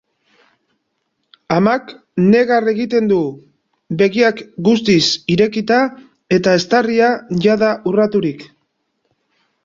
Amak negar egiten du, begiak guztiz irekita eta eztarria jada urraturik.